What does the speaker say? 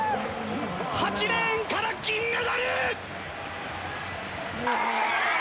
８レーンから銀メダル！